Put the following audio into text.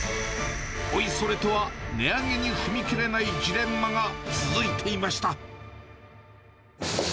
おいそれとは値上げに踏み切れないジレンマが続いていました。